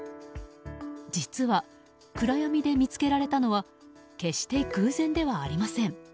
実は、暗闇で見つけられたのは決して偶然ではありません。